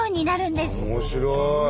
面白い！